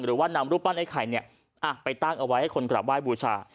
หรือว่านำรูปปั้นไอ้ไข่ไปตั้งเอาไว้ให้คนกลับไห้บูชา